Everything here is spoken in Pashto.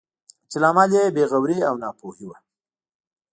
چې لامل یې بې غوري او ناپوهي وه.